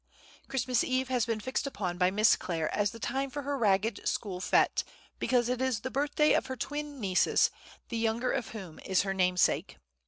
Christmas Eve has been fixed upon by Miss Clare as the time for her Ragged School Fête, because it is the birthday of her twin nieces, the younger of whom is her namesake.